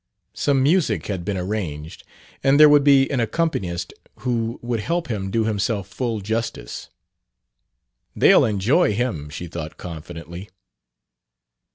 Some music had been arranged and there would be an accompanist who would help him do himself full justice. "They'll enjoy him," she thought confidently.